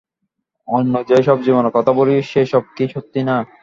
অন্য যে-সব জীবনের কথা বলি, সে-সব কি সত্যি, না।